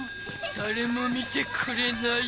誰も見てくれない。